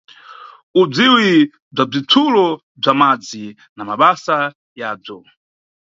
Udziwi bwa bzitsulo bza madzi na mabasa yabzo.